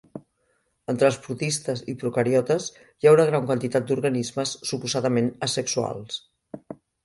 Entre els protistes i procariotes hi ha una gran quantitat d'organismes suposadament asexuals.